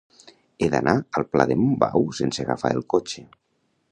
He d'anar al pla de Montbau sense agafar el cotxe.